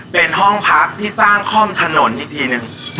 เป็นห้องพักที่สร้างคล่อมถนนอีกทีหนึ่ง